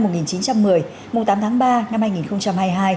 mùng tám tháng ba năm hai nghìn hai mươi hai